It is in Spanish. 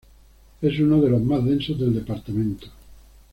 Es uno de los más densos del departamento.